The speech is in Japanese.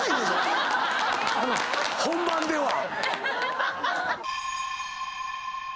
本番では。